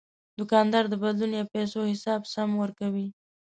دوکاندار د بدلون یا پیسو حساب سم ورکوي.